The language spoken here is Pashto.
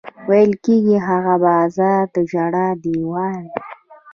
ویل کېږي هغه بازار د ژړا دېوال.